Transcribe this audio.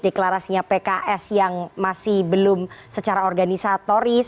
deklarasinya pks yang masih belum secara organisatoris